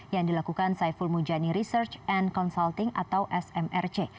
yang dilakukan saiful mujani research and consulting atau smrc